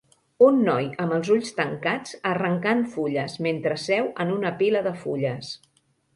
Un noi amb els ulls tancats arrencant fulles mentre seu en una pila de fulles.